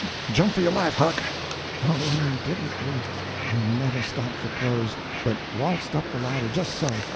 Jump for yo' life, Huck!" Oh, and didn't we! We never stopped for clothes, but waltzed up the ladder just so.